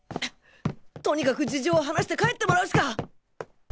とにかく事情を話して帰ってもらうしか